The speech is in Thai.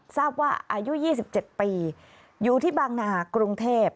ทราบว่าอายุ๒๗ปีอยู่ที่บางนากรุงเทพ